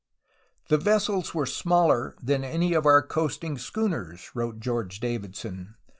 ''The vessels were smaller than any of our coasting schooners/' wrote George Davidson.